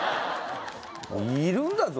いるんだぞ